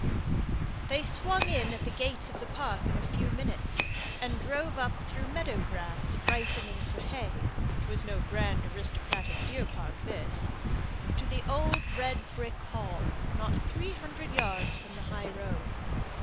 They swung in at the gates of the park in a few minutes, and drove up through meadow grass, ripening for hay, it was no grand aristocratic deer park this to the old red brick hall; not three hundred yards from the high road.